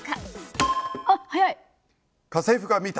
あっ早い！